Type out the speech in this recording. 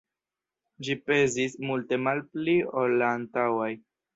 Ĝi pezis multe malpli ol la antaŭaj.